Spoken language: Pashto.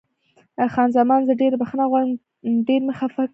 خان زمان: زه ډېره بښنه غواړم، ډېر مې خفه کړې.